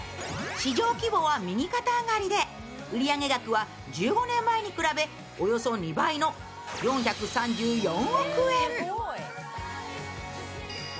市場規模は右肩上がりで売上高は１５年前に比べおよそ２倍の４３４億円。